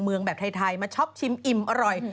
เมืองแบบไทยมาชอบชิมอิ่มอร่อย